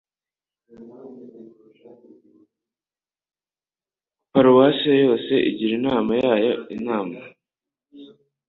paruwase yose igira inama yayo inama